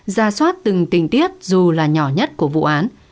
ra soát từng tình tiết dù là nhỏ nhất của vụ án